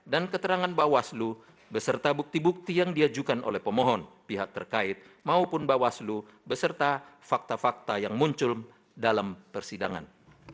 dan keterangan bahwa selu beserta bukti bukti yang diajukan oleh pemohon pihak terkait maupun bahwa selu beserta fakta fakta yang muncul dalam persidangan